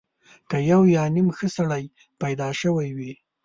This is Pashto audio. که یو یا نیم ښه سړی پیدا شوی وي.